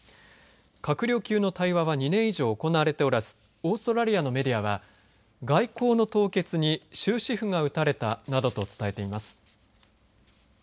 閣僚級の対話は２年以上、行われておらずオーストラリアのメディアは外交の凍結に終止符が打たれたなどと伝えています。